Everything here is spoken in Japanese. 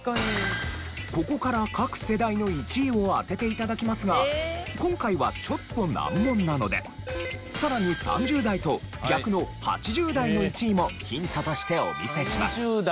ここから各世代の１位を当てて頂きますが今回はちょっと難問なのでさらに３０代と逆の８０代の１位もヒントとしてお見せします。